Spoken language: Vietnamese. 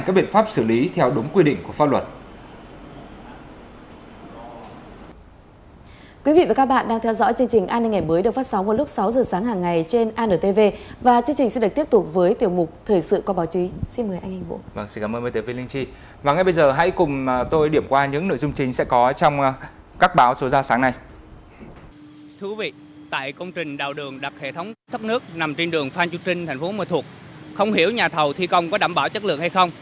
các biện pháp xử lý theo đúng quy định của pháp luật